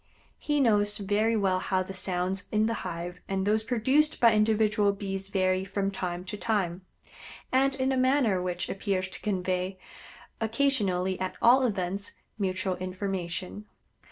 He knows very well how the sounds in the hive and those produced by individual Bees vary from time to time, and in a manner which appears to convey, occasionally at all events, mutual information.